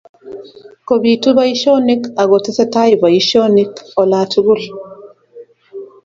Kobitu boishonik ako tesetai boishonik olatukul